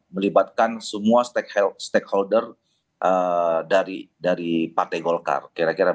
melibatkan semua stakeholder dari partai golkar kira kira